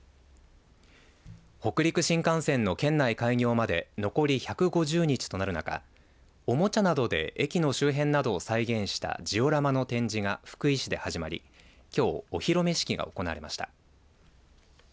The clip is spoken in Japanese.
北陸新幹線の県内開業まで残り１５０日となる中おもちゃなどで駅の周辺などを再現したジオラマの展示が福井市で始まりきょうお披露目式が行われました。